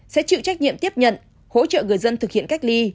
sẽ chịu trách nhiệm tiếp nhận hỗ trợ người dân thực hiện cách ly